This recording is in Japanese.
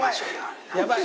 やばい」